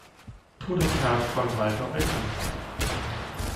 Todestags von Walter Eucken.